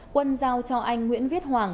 quân giao cho anh nguyễn viết hoàng